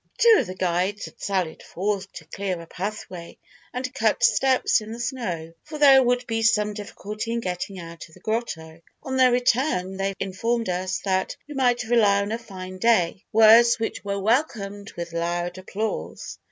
"Two of the guides had sallied forth to clear a pathway and cut steps in the snow, for there would be some difficulty in getting out of the grotto. On their return they informed us that we might rely on a fine day words which were welcomed with loud applause.